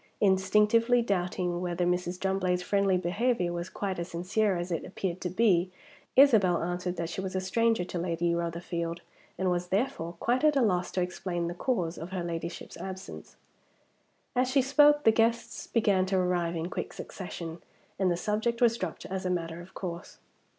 Instinctively doubting whether Mrs. Drumblade's friendly behavior was quite as sincere as it appeared to be, Isabel answered that she was a stranger to Lady Rotherfield, and was therefore quite at a loss to explain the cause of her ladyship's absence. As she spoke, the guests began to arrive in quick succession, and the subject was dropped as a matter of course.